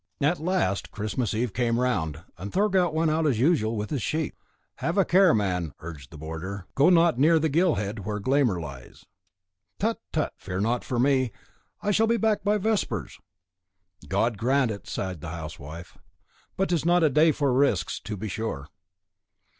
At last Christmas Eve came round, and Thorgaut went out as usual with his sheep. "Have a care, man," urged the bonder; "go not near to the gill head, where Glámr lies." "Tut, tut! fear not for me. I shall be back by vespers." "God grant it," sighed the housewife; "but 'tis not a day for risks, to be sure."